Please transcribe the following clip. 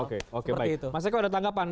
oke baik mas eko ada tanggapan